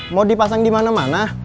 mau dipasang dimana mana